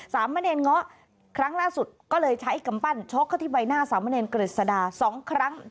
สามเมินเอนเงาะครั้งล่าสุดก็เลยใช้กำปั้นโชคเข้าที่ใบหน้าสามเมินเอนเกริษดา๒ครั้ง